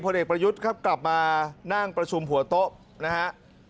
เด็กประยุทธ์ครับกลับมานั่งประชุมหัวโต๊ะนะฮะ